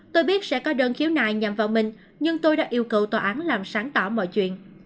tôi biết sẽ có đơn khiếu nại nhằm vào mình nhưng tôi đã yêu cầu tòa án làm sáng tỏ mọi chuyện